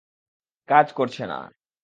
কাজ করছে না।